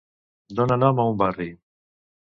Dona nom a un barri.